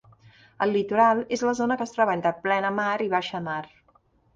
El litoral és la zona que es troba entre plenamar i baixamar.